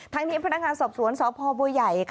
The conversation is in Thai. ทางนี้พนักงานสอบสวนสพบัวใหญ่